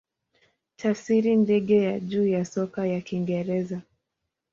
Tafsiri ndege ya juu ya soka ya Kiingereza.